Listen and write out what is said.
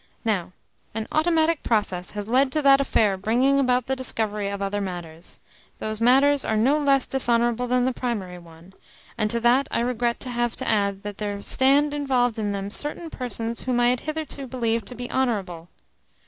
Now, an automatic process has led to that affair bringing about the discovery of other matters. Those matters are no less dishonourable than the primary one; and to that I regret to have to add that there stand involved in them certain persons whom I had hitherto believed to be honourable.